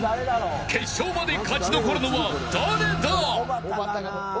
決勝まで勝ち残るのは誰だ？